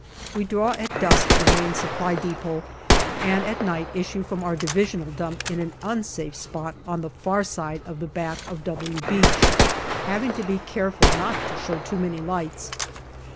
We draw at dusk from Main Supply depot, and at night issue from our divisional dump in an unsafe spot on the far side of the back of " W " Beach, having to be careful not to show too many lights.